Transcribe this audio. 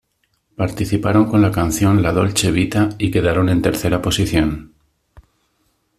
Participaron con la canción "La Dolce Vita" y quedaron en tercera posición.